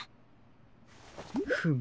フム。